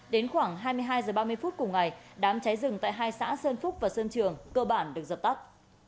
đến khoảng hai mươi hai h ba mươi phút cùng ngày đám cháy rừng tại hai xã sơn phúc và sơn trường cơ bản được dập tắt